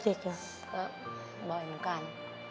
ก็บ่อยเหมือนกัน